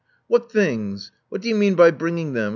*'What things? What do you mean by bringing them?